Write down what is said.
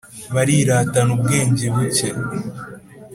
bariratana ubwenge buke.